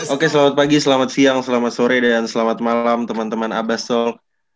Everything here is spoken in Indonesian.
oke selamat pagi selamat siang selamat sore dan selamat malam teman teman abasok